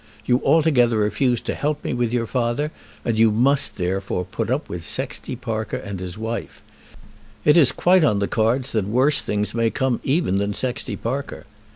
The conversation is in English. You altogether refuse to help me with your father, and you must, therefore, put up with Sexty Parker and his wife. It is quite on the cards that worse things may come even than Sexty Parker."